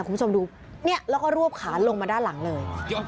คุณผู้ชมดูเนี่ยแล้วก็รวบขาลงมาด้านหลังเลย